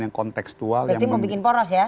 berarti membuat poros ya